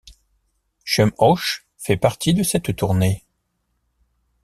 Chum Ochse fait partie de cette tournée.